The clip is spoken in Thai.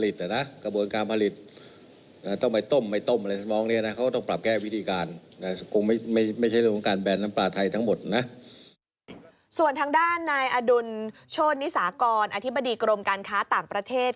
ส่วนทางด้านนายอดุลโชธนิสากรอธิบดีกรมการค้าต่างประเทศ